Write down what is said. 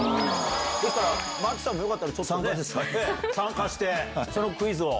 マッチさんもよかったらちょっと参加してそのクイズ。